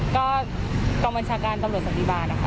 ก็กรมชาการตำรวจศักดิบ้านครับ